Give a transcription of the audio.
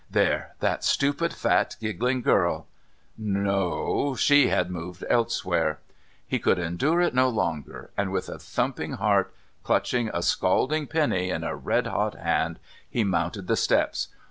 There, that stupid fat giggling girl! No she had moved elsewhere... He could endure it no longer and, with a thumping heart, clutching a scalding penny in a red hot hand, he mounted the steps.